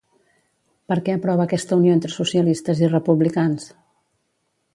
Per què aprova aquesta unió entre socialistes i republicans?